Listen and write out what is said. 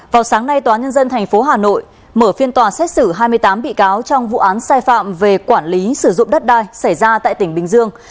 vào sáng nay tòa nhân dân tp hà nội mở phiên tòa xét xử hai mươi tám bị cáo trong vụ án sai phạm về quản lý sử dụng đất đai xảy ra tại tỉnh bình dương